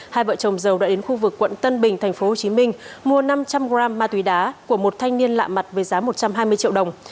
hai vợ chồng dầu đã đến khu vực quận tân bình tp hcm mua năm trăm linh g ma túy đá của một thanh niên lạ mặt với giá một trăm hai mươi triệu đồng